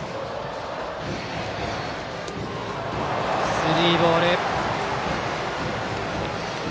スリーボール。